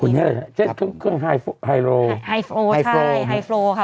คุณแน่ใจครับเครื่องไฮโฟไฮโฟใช่ไฮโฟค่ะ